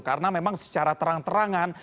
karena memang secara terang terangan